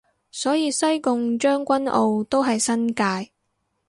所以西貢將軍澳都係新界